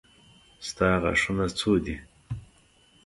ستا غاښونه څو دي.